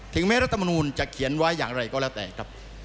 แม้รัฐมนูลจะเขียนไว้อย่างไรก็แล้วแต่ครับ